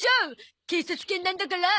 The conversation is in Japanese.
警察犬なんだから。